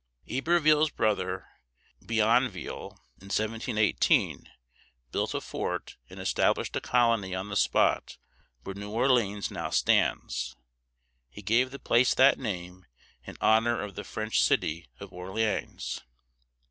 Iberville's brother, Bienville (be aN veel´), in 1718 built a fort and established a colony on the spot where New Or´le ans now stands. He gave the place that name in honor of the French city of Orleans.